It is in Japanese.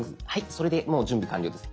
それでもう準備完了です。